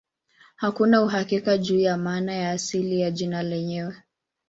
Hakuna uhakika juu ya maana ya asili ya jina lenyewe.